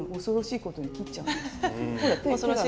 恐ろしいことに切っちゃうんです。